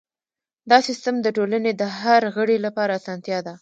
دا سیستم د ټولنې د هر غړي لپاره اسانتیا ده.